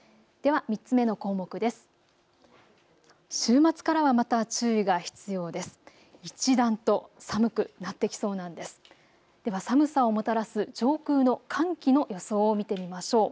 では寒さをもたらす上空の寒気の予想を見てみましょう。